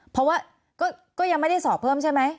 เพราะว่าก็ยังไม่ได้สอบเพิ่มใช่ไหม